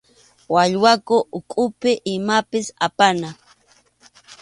Wallwakʼu ukhupi imapas apana.